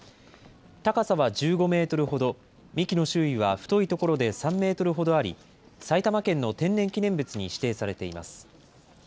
高さは１５メートルほど、幹の周囲は太い所で３メートルほどあり、埼玉県の天然記念物に指定されています。